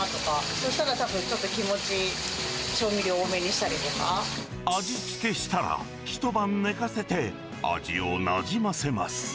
そうしたらたぶん、ちょっと気持ち、味付けしたら、一晩寝かせて、味をなじませます。